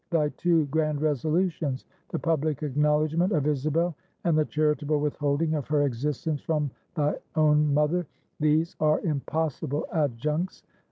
Thy two grand resolutions the public acknowledgment of Isabel, and the charitable withholding of her existence from thy own mother, these are impossible adjuncts.